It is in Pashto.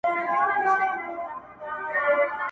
o دا دي کټ دا دي پوزى، دا دي پوله دا پټى!